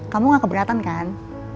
kamu tidak keberatan kan